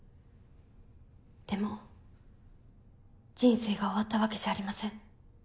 でも人生が終わったわけじゃありません。